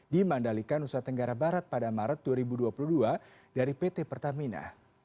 dimandalikan usaha tenggara barat pada maret dua ribu dua puluh dua dari pt pertamina